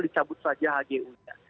dicabut saja hgu nya